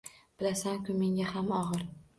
Bilasan-ku, menga ham og‘ir